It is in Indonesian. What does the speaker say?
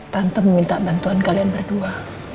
tante mau minta bantuan kalian berdua